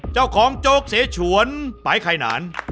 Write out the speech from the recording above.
เจ้าของโจ๊กเสฉวนปลายไข่นาน